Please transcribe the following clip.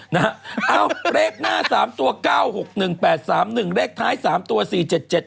เอ้าเลขหน้าสามตัวเก้าหกหนึ่งแปดสามหนึ่งเลขท้ายสามตัวสี่เจ็ดเจ็ด